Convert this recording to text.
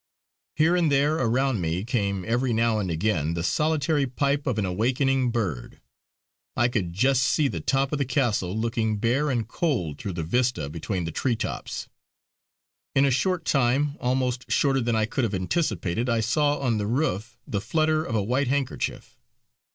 Here and there around me came every now and again the solitary pipe of an awakening bird. I could just see the top of the castle, looking bare and cold through the vista between the treetops. In a short time, almost shorter than I could have anticipated, I saw on the roof the flutter of a white handkerchief.